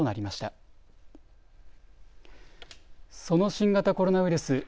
その新型コロナウイルス。